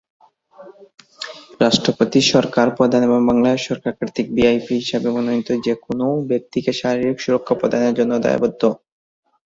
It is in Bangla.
রাষ্ট্রপতি, সরকার প্রধান এবং বাংলাদেশ সরকার কর্তৃক ভিআইপি হিসাবে মনোনীত যে কোনও ব্যক্তিকে শারীরিক সুরক্ষা প্রদানের জন্য দায়বদ্ধ।